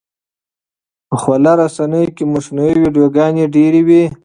په خواله رسنیو کې مصنوعي ویډیوګانې ډېرې دي.